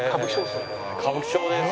歌舞伎町ですね。